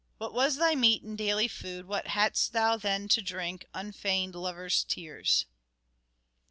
What was thy meat and daily food ? What hadst thou then to drink ? Unfeigned lover's tears.